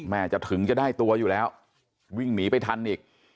จะถึงจะได้ตัวอยู่แล้ววิ่งหนีไปทันอีก